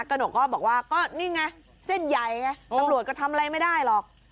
หนกก็บอกว่าก็นี่ไงเส้นใหญ่ไงตำรวจก็ทำอะไรไม่ได้หรอก